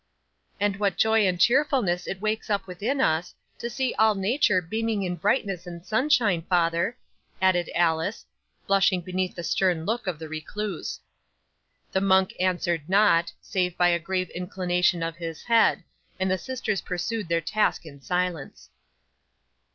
'"And what joy and cheerfulness it wakes up within us, to see all nature beaming in brightness and sunshine, father," added Alice, blushing beneath the stern look of the recluse. 'The monk answered not, save by a grave inclination of the head, and the sisters pursued their task in silence.